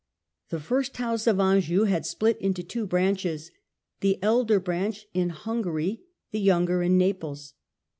The first house of Anjou had split into two branches ; the elder branch in Hungary, the younger in Naples.